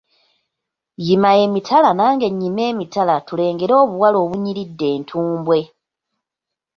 Yima emitala nange nnyime emitala tulengere obuwala obunyiridde entumbwe.